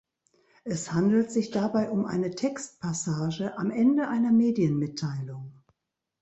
Es handelt sich dabei um eine Textpassage am Ende einer Medienmitteilung.